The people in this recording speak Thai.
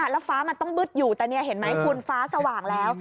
แล้วฟ้ามันต้องบึดอยู่แต่นี่เห็นไหมคุณฟ้าสว่างแล้ว